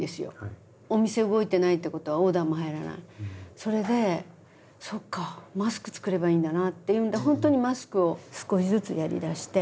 それでそっかマスク作ればいいんだなっていうんで本当にマスクを少しずつやりだして。